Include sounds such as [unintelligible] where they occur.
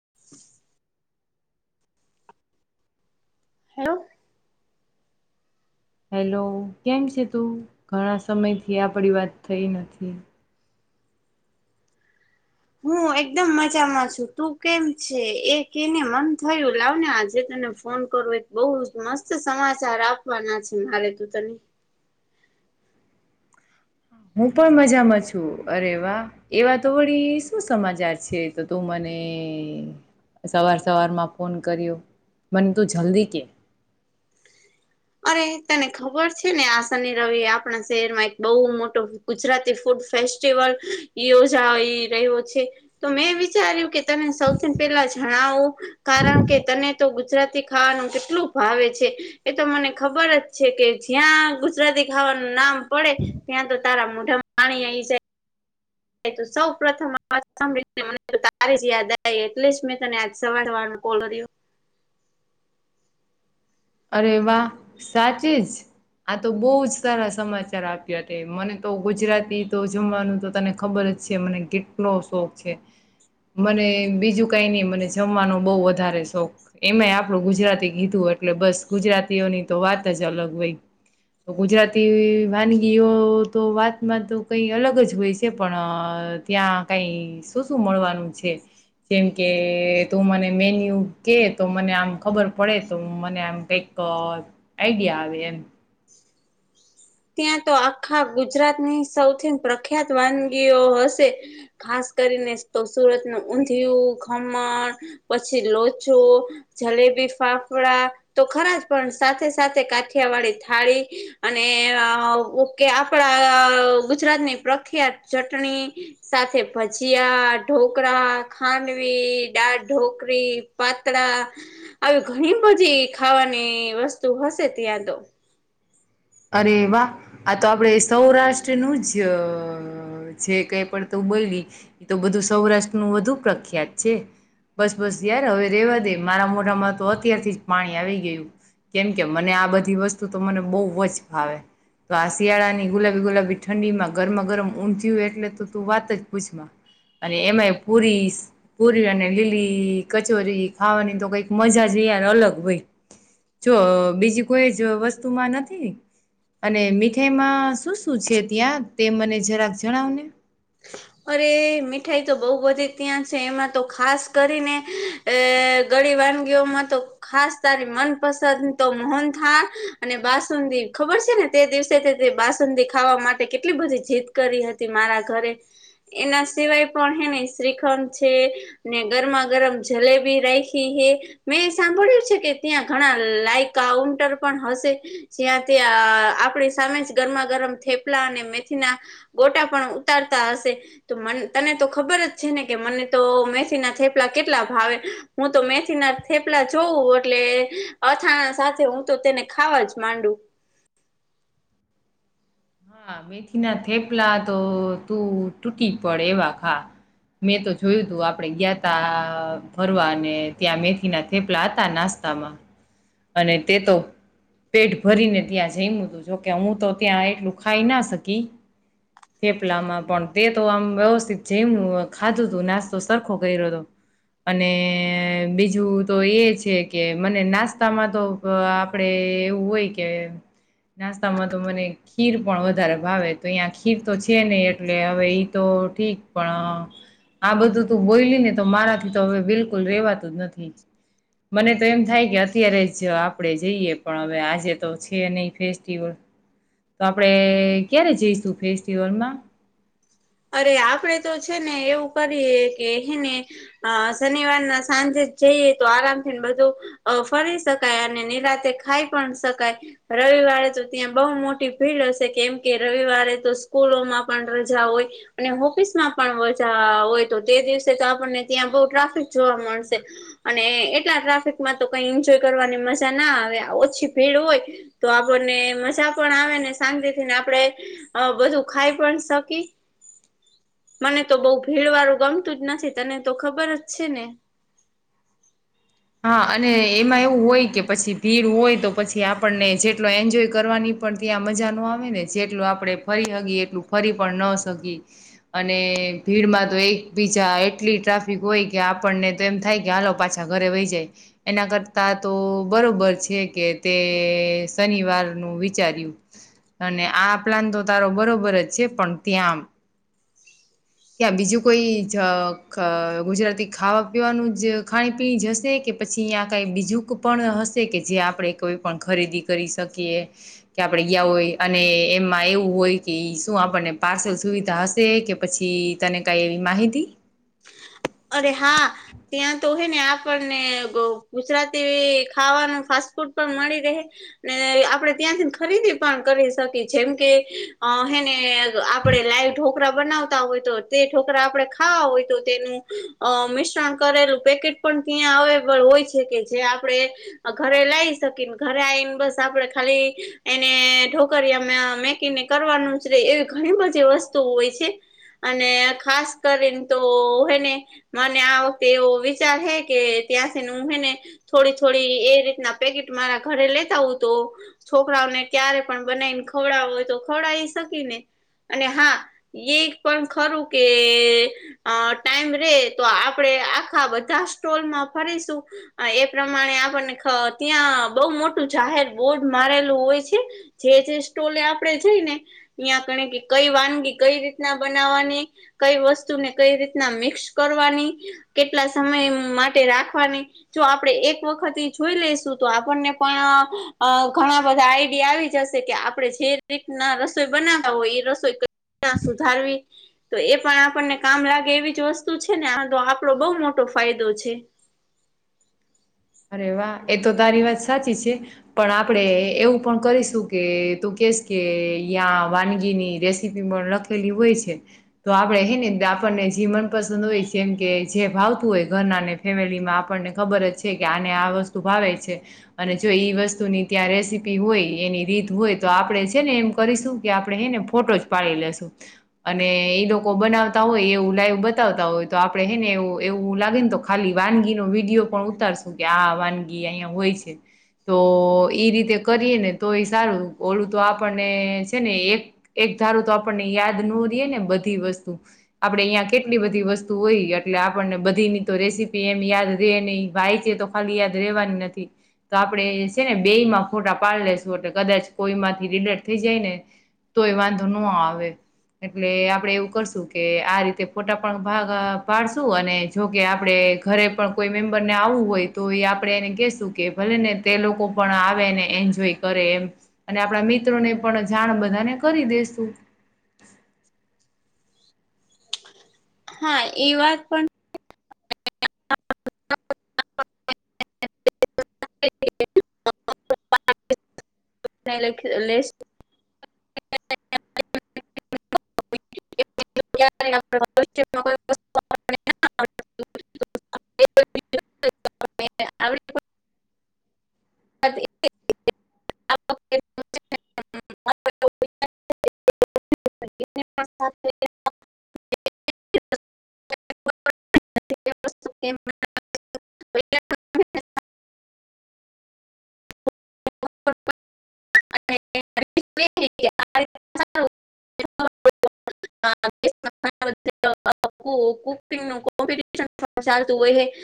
[inaudible] Hello. Hello કેમ છે તું ઘણા સમય થી આપડી વાત થઈ નથી. હું એકદમ મજામાં છું તું કેમ છે એ કેને મન થયું લાવને આ જે. તને ફોન કરો એક બહુ મસ્ત સમાચાર આપવાના છે મારે તું તને. હું પણ મજામાં છું અરે વા એવા તો વળી શું સમાચાર છે તો તું મને સવાર સવારમાં ફોન કર્યો. મને તું જલ્દી કે. [inaudible] આય તને ખબર છે ને આ શનિ રવિ આપણા શહેરમાં એક બહુ મોટો ગુજરાતી ફૂડ ફેસ્ટ સ્ટિવલ યોજાઈ રહ્યો છે તો મેં વિચાર્યું કે તને સૌથી પેલા જા ણાવુ કારણ કે તને તો ગુજરાતી ખાવાનું કેટલું ભાવે છે એ તો મને ખબર જ છે કે જ્યાં ગુજરાતી ખાવાનું નામ પડે ત્યાં તો તારા મોઢામ પાણી આ ઇ જાય. સૌ પ્રથમ આ વાત સાંભળીને મને તારી જ યાદ આઈ એટલે જ મેં તને આજ સવાર વાળો કોલ રહયો. અરે વાહ સાચી જ. આ તો બહુ જ સારા સમાચાર આપ્યા તે મને તો ગુજરાતી તો જમવાનું તો તને ખબર છે મને કેટલો શોખ છે. મને બીજું કઈ નહી મને જમવાનો બહુ વધારે શોખ એમાંય આપણું ગુજરાતી કીધું અ એટલે બસ ગુજરાતીઓની તો વાત જ અલગ હોય. તો ગુજરાતી વાનગીઓ તો વાતમાં તો કઈ અલગ જ હોય છે પણ. અ ત્યાં કઈ શું શું મળવાનું છે. જેમ કે તું મને મેન્યુ કે તો મને આમ ખબર પડે તો મને આમ કંઈક આઈડિયા આવે એમ. ત્યાં તો આખા ગુજરાતની સૌથી પ્રખ્યાત વાનગીઓ હશે ખાસ, કરીને તો સુરત ન ઊંધિયું ઘમણ પછી, લોચો જલે બી ફાફડા તો ખરા પણ સાથે સાથે કાઠિયા વાળી થાળી અને કે આપણા ગુજરાતની પ્રખ્યાત ચટણી સાથે ભજ જિયા ઢોકળ, ખાનવી, ડાળ, ઢોકરી, પાતળા. આવી ઘણી બધી ખાવાની વસ્તુ હશે ત્યાં તો, અરે વાહ આ તો આપણેે સૌરાષ્ટ્રનું જ જે કઈ પડત બોલવી એ તો બધું સૌરાષ્ટ્ર નું વધુ પ્રખ્યાત છે. બસ બસ યાર હવે રેવા દે મારા મોઢામાં તો અત્યારથી જ પાણી આવી ગયું. કેમ કે મને આ બધી વસ્તુ તો મને બહુ જ ભાવે તો આ શિયાળા ની ગુલાબી ગુલાબી ઠંડી માં ગરમા ગરમ ઊમચય્યું એટલે તો તું, વાત જ પૂછમાં. અને એમાં પુરી પુરી અને લીલી કચોરી ખાવાની તો કઈક મજા જ અલગ હોય જો બીજી કોઈ જ વસ્તુમાં નથી. અને મીઠાઈમાં શું શું છે ત્યાં તે મને જરાક જણાવને, અરે મીઠાઈ તો બહ બધી ત્યાં છે એમાં તો ખાસ કરીને અ ગ વાનગીઓમાં તો ખાસ તારી મનપસંદ તો મોહન થાર અને બાસુંદી ખબર છે ને તે દિવસે તે બાસી ખાવા માટે કેટલી બધી જીદ કરી હતી મારા ઘરે એના સિવાય પણ એની શ્રીખંડ છે ને ગરમા ગરમ જલેબી રાખી મેં સાંભળ્યું છે કે ત્યાં ઘણા લાઈક કાઉન્ટર પણ હશે જ્યાં ત્યાં અ આપણી સામે જ ગરમા ગરમ થેપલા અને મેથીના ગોટા પણ ઉતારતા હશે. તો મ તને તો ખબર જ છે ને કે મને તો મેસી ના થેપલા કેટલા ભાવે હું તો મેસી ના થેપલા જોવું એટલે અથાણા સાથે હું તો તેને ખાવા જ માંડું [inaudible] હા મેથી ના થેપલા તો તું તૂટી પડે એવા ખા મેં તો જોયું તું આપડે ગયા ત ફરવા અને ત્યાં મેથી ના થેપલા હતા નાસ્તા તામાં અને તે તો પેટ ભરીને ત્યાં જઈ હતું જોકે હું તો ત્યાં એટલું ખાઈ ના શકી ફેપલામાં પણ તે તો આમ વ્યવસ્થિત જમ ખાધું તું નાસ્તો સરખો કર્યો હતો અને બીજું તો એ છે કે મને નાસ્તામાં તો, આપણેે એવું હોય કે નાસ્તા માં તો મને ખીર પણ વધારે ભાવે તો અહીં ખીર તો છે નહી એટલે હવે ઈ તો ઠીક પણ આ બધું તું બોલી ને તો મારાથી તો હવે બિલકુલ રેવાતું જ નથી. મને તો એમ થાય કે અત્યારે જ આપણેે જઈએ પણ હવે આજે તો છે નહી ફેસ્ટિવલ [unintelligible] તો આપણેે ક્યારે જઈશું ફેસ્ટિવલમાં અરે આપડે તો છે ને એવું કરીએ કે એને શનિવારના સાંજે જઈએ તો આરામથીને બધું ફરી શકાય અને નિરાતે ખાઈ પણ શકાય. રવિવારે તો ત્યાં બહુ મોટી ભીડ હશે કેમ કે રવિવારે તો સ્કૂલોમાં પણ રજા હોય. અને ઓફિસમાં પણ હોય તો તે દિવસે તો આપણને ત્યાં બહ ટ્રાફિક જોવા મળશે અને એટલા ટ્રાફિકમાં તો કઈ એન્જોય કરવાની મજા ના આવે ઓછી ભીડ હોય તો, તો આપણને મજા પણ આવે ને શંતેથીને આપણેે બધું, ખાઈ પણ શકી મને તો બહ ભીડ વાળું ગમતું જ નથી તને તો ખબર જ છે ને [unintelligible] હા અને એમાં એવું હોય કે પછી ભીડ હોય તો પછી આપણને જેટલો એન્જોય કરવાની પણ ત્યાં મજા ન આવે ને જેટલું આપડે ફરી સકીીએ એટલું, ફરી પણ ન સકી અને ભીડમાં તો એકીજા એટલી ટ્રાફિક હોય કે આપણને તો એમ થાય કે હાલો પાછા, ઘરે વહી જાય. એના કરતા તો બરોબર છે કે, તે શનિવાર ન વિચાર અને આ પ્લાન તો તારો બરોબર જ છે. પણ ત્યાં ત્યાં બીજું કોઈ ગુજરાતી ખાવા પીવાનું જ ખાણી પીણી જશે કે, કે પછી અહીયા કઈ બીજું પણ હશે કે જે આપણે કોઈ પણ ખરીદી કરી શકીએ કે આપણે ગયા હોય અને એમાં એવું હોય કે શું આપણને પાર્સલ સુવિધા હશે કે પછી ી તને કઈ એવી માહિતી અરે હા ત્યાં તો હોય ને આપણને ગુજરાતી ખાવાનું ફાસ્ટ ફૂડ પણ મળી રહે ને આપણે ત્યાંથી ખરીદી પણ કરી શકીએ જેમ કેને આપણે લાઈવ ઢોકરા બનાવતા હોય તો તે ઢોકરા આપણે ખાવા હોય તો તેનું અ મિશ્રણ કરેલું પેકેટ પણ ત્યાં અવેલેબલ હોય છે કે જે આપણે ઘરેલ લાવ શકીને ઘરે આવીને બસ આપડે ખાલી એને ઢોકરી મેકીને કરવાનું એવી ઘણી બધી વસ્તુ હોય છે અને ખાસ કરીને તો હોને મને આ વખતે એવો વિચાર હે કે ત્યાં છેને હું હને થોડી થોડી એ રીતના પટ મારા ઘરે લેતા હો તો છોકરાઓને ક્યારે પણ બનાવીને ખવડાવ હોય તો ખવડ હા એ પણ ખરું કે ટાઈમ રે તો આપે આખા બધા સ્ટોલમાં ફરીશું એ પ્રમાણે આપણને ત્યાં બહુ મોટું જાહેર બોર્ડ મારેલું હોય છે જે જે સ્ટોલે આપણેે જઈ ને અં ગણે કે કઈ વાનગી કઈ રીતના બનાવવાની કઈ વસ્તુને કઈ રીતના મિક્સ કરવાની કેટલા સમય માટે રાખવાની જો આપડે એક વખત જોઈ લઈશું. તો આપણને પણ ઘણા બધા આઈડિયા આવી જશે કે આપણે જે રીતના રસોઈ બનાવ્યા હોય એ રસોઈ ક સુધારવી તો એ પણ આપણને કામ લાગે એવી જ વસ્તુ વત છે ને આ તો આપડો બહ મોટો ફાયદો છે. અરે વાહ એ તો તારી વાત સાચી છે પણ આપણેે એવું પણ કરીશું કે તું ક વાનગી ની રેસીપી પણ લખેલી હોય છે તો આપડે હે આપ આપણને જે મનપસંદ હોય જેમ કે જે ભાવતું હોય ઘરના ને ફેમિલીમાં આપણને ખબર જ કે આને આ વસ્તુ ભાવે છે અને જો એઈ વસ્તુની ત્યાં રેસીપી હોય એની રીત હોય તો તો આપડણે છે ને એમ કરીશું કે આપણે હને ફોટો જ પાડી લેશું અને ઈ લોકો બનાવતા હોય એવું લાઈવ બતાવતા હોય તો આપણે હે ને એવું એવું લાગે ને તો ખાલી વાનગીનોો વિડીિયો પણ ઉતારશું આ વાનગી અહં હોય છે તો એ રીતે કરીએ ને તો એ સારું ઓ તો આપણને છે ને એક એક ધારું તો આપણને યાદ ન રએ ને બધી વસ્તુ આપણે અહીંયા કેટલી બધી વસ્તુ હોય એટલે આપણને બધીની તો રેસીપી એમ યાદ રહે નહીં વાય છે તો ખાલી યાદ રેવાની નથી તો આપણે છે ને બે માં ફોટા પાડી લેશું એટ કદાચ કોઈમાં રિડટ થઈ જાય ને તો એ વાંધો ન આવે એટલે આપડે એવું કરશું કે આ રીતે ફોટા પણ ભાગ ભાડશું અને જોકે આપડણે ઘરે પણ કોઈ મેમ્બર ને આવવું હોય તો એ આપણે એને કહેશું કે ભલે ને તે લોકો પણ આવે એન્જોય કરે એમ અને આપણા મિત મિત્રો ને પણ જાણ બધાને કરી દેસું [inaudible] હા એ વાત પણ લસ્ટ [unintelligible] [unintelligible] [inaudible] [unintelligible] [unintelligible] સ્તુ [inaudible] હા કુકિંગ નું કોમ્પિટશન ચાલતું હોય